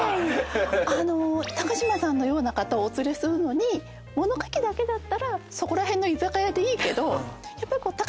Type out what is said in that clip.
あの高島さんのような方をお連れするのに物書きだけだったらそこら辺の居酒屋でいいけど。って話し合って。